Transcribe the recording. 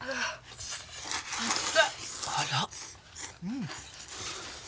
あら？